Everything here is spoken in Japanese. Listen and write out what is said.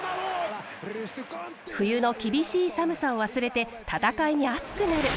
冬の厳しい寒さを忘れて戦いに熱くなる。